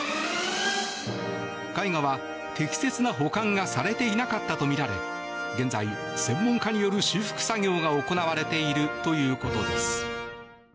絵画は適切な保管がされていなかったとみられ現在、専門家による修復作業が行われているということです。